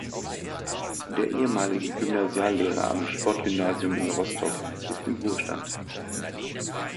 Der ehemalige Gymnasiallehrer am Sportgymnasium in Rostock ist im Ruhestand.